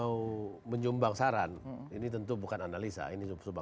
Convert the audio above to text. kalau saya mau menyumbang saran ini tentu bukan analisa ini cuma perhatian saya